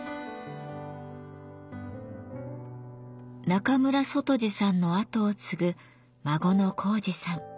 中村外二さんの後を継ぐ孫の公治さん。